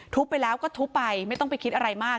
ไปแล้วก็ทุบไปไม่ต้องไปคิดอะไรมาก